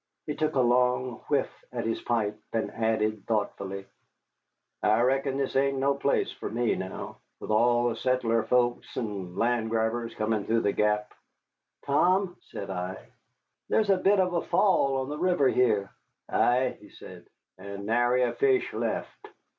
He took a long whiff at his pipe, and added thoughtfully, "I reckon this ain't no place fer me now, with all the settler folks and land grabbers comin' through the Gap." "Tom," said I, "there's a bit of a fall on the river here." "Ay," he said, "and nary a fish left."